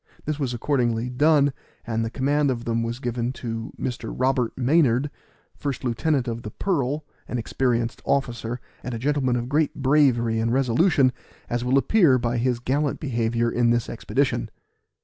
This was accordingly done, and the command of them given to Mr. Robert Maynard, first lieutenant of the Pearl, an experienced officer, and a gentleman of great bravery and resolution, as will appear by his gallant behavior in this expedition.